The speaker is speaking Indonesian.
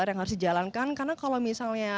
yang harus dijalankan karena kalau misalnya